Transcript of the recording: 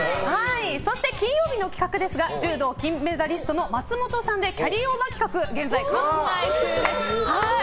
そして、金曜日の企画ですが柔道金メダリストの松本さんでキャリーオーバー企画を現在、考え中です。